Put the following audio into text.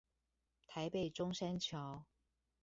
台北中山橋